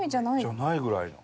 じゃないぐらいの。